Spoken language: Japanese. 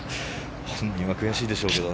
本人は悔しいでしょうけど。